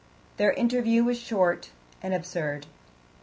Their interview was short and absurd.